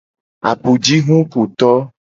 Apujihukuto.